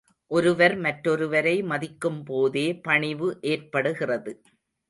ஒருவர் மற்றொருவரை மதிக்கும்போதே பணிவு ஏற்படுகிறது.